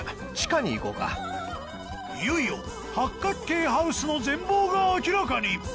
いよいよ八角形ハウスの全貌が明らかに！